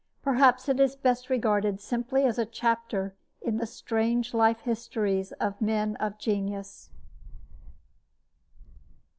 Perhaps it is best regarded simply as a chapter in the strange life histories of men of genius.